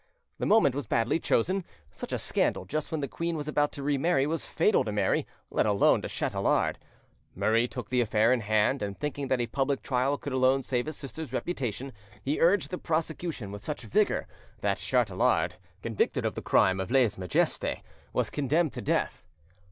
The moment was badly chosen: such a scandal, just when the queen was about to re marry, was fatal to Mary, let alone to Chatelard. Murray took the affair in hand, and, thinking that a public trial could alone save his sister's reputation, he urged the prosecution with such vigour, that Chatelard, convicted of the crime of lese majeste, was condemned to death.